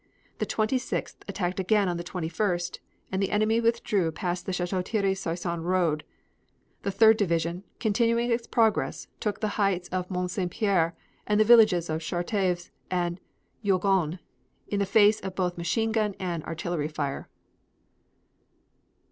The Twenty sixth attacked again on the 21st, and the enemy withdrew past the Chateau Thierry Soissons road. The Third Division, continuing its progress, took the heights of Mont St. Pere and the villages of Charteves and Jaulgonne in the face of both machine gun and artillery fire.